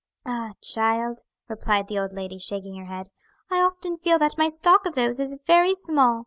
"Ah, child!" replied the old lady, shaking her head, "I often feel that my stock of those is very small.